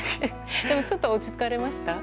でもちょっと落ち着かれました？